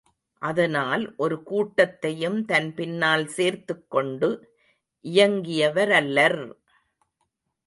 அதனால், ஒரு கூட்டத்தையும் தன்பின்னால் சேர்த்துக் கொண்டு இயங்கியவரல்லர்!